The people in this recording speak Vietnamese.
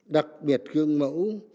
đặc biệt gương mẫu